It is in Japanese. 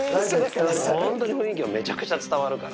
ホントに雰囲気はめちゃくちゃ伝わるから。